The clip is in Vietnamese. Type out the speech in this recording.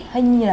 hay như là